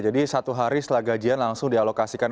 jadi satu hari setelah gajian langsung dialokasikan